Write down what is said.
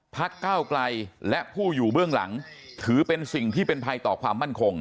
ก้าวไกลและผู้อยู่เบื้องหลังถือเป็นสิ่งที่เป็นภัยต่อความมั่นคง